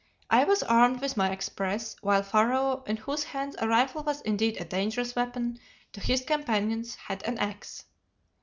I was armed with my express, while Pharaoh, in whose hands a rifle was indeed a dangerous weapon, to his companions, had an axe.